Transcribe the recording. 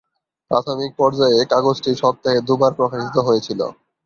প্রাথমিক পর্যায়ে কাগজটি সপ্তাহে দু'বার প্রকাশিত হয়েছিল।